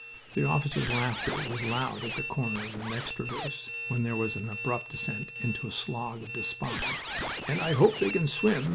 The officer's laughter was loud at the corner of the next traverse, when there was an abrupt descent into a slough of despond. "And I hope they can swim!"